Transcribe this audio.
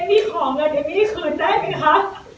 เอมมี่ขอเงินเอมมี่คืนได้มั้ยคะ